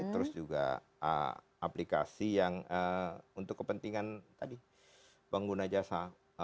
terus juga aplikasi yang untuk kepentingan tadi pengguna jasa